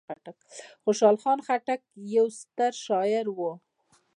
خوشحال خان خټک یو ستر شاعر و.